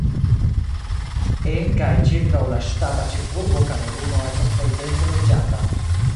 En kaj ĉirkaŭ la ŝtata ĉefurbo Kameruno estas plej dense loĝata.